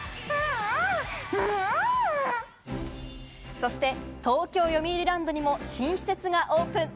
そして東京・よみうりランドにも新施設がオープン。